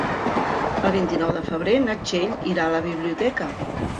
El vint-i-nou de febrer na Txell irà a la biblioteca.